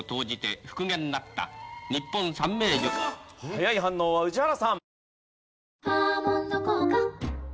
早い反応は宇治原さん。